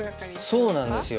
そうなんですよ。